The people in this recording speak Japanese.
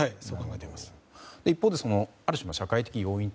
一方で、ある種の社会的要因